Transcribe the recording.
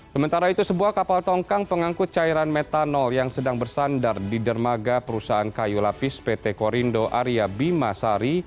sementara itu sebuah kapal tongkang pengangkut cairan metanol yang sedang bersandar di dermaga perusahaan kayu lapis pt korindo area bimasari